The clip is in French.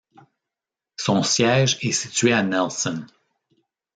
Son siège est situé à Nelson.